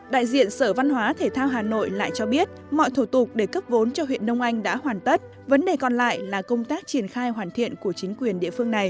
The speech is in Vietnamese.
đại diện sở văn hóa thể thao hà nội lại cho biết mọi thủ tục để cấp vốn cho huyện đông anh đã hoàn tất vấn đề còn lại là công tác triển khai hoàn thiện của chính quyền địa phương này